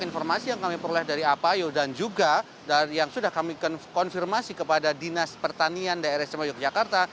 informasi yang kami peroleh dari apayo dan juga yang sudah kami konfirmasi kepada dinas pertanian daerah sima yogyakarta